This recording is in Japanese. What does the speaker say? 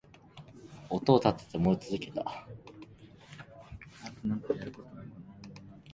音を立てながら燃え続けていた